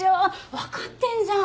分かってんじゃん。